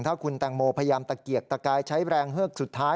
ถ้าคุณแตงโมพยายามตะเกียกตะกายใช้แรงเฮิกสุดท้าย